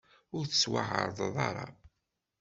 Ur tettwaεerḍeḍ ara.